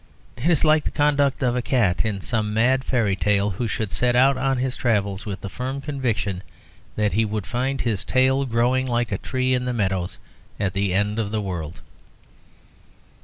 It is like the conduct of a cat in some mad fairy tale, who should set out on his travels with the firm conviction that he would find his tail growing like a tree in the meadows at the end of the world.